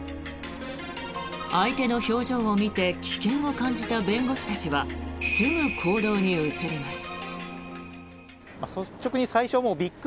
相手の表情を見て危険を感じた弁護士たちはすぐ行動に移ります。